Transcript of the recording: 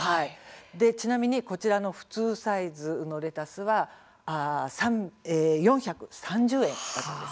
ちなみにこちらの普通サイズのレタスは４３０円なんです。